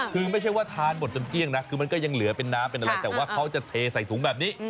คือไม่ใช่ว่าทานหมดจนเกลี้ยงนะคือมันก็ยังเหลือเป็นน้ำเป็นอะไรแต่ว่าเขาจะเทใส่ถุงแบบนี้